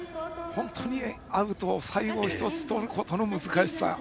本当にアウト最後の１つとることの難しさ。